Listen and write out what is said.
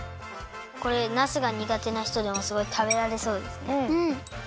これなすがにがてなひとでもすごいたべられそうですね。